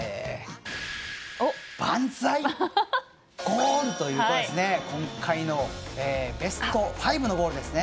ばんざいゴールということで今回のベスト５のゴールですね。